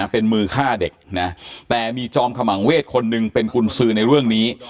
เป็นมือฆ่าเด็กนะแต่มีจอมขมังเวทคนหนึ่งเป็นกุญสือในเรื่องนี้